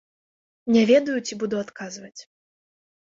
Не ведаю, ці буду адказваць.